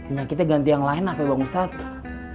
ini kita ganti yang lain pak bapak ustadz